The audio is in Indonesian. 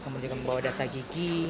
kemudian membawa data gigi